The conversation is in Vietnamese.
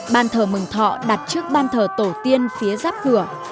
ban thờ mừng thọ đặt trước ban thờ tổ tiên phía giáp cửa